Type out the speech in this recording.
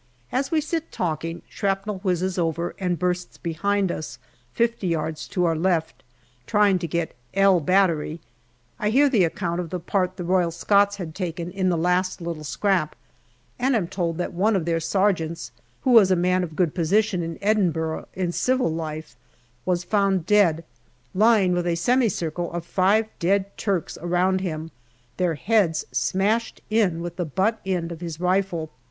As we sit talking, shrapnel whizzes over and bursts behind us fifty yards to our left, trying to get " L " Battery. I hear the account of the part the Royal Scots had taken in the last little scrap, and am told that one of their sergeants, who was a man of good position in Edinburgh in civil life, was found dead, lying with a semicircle of five dead Turks around him, their heads smashed in with the butt end of his rifle.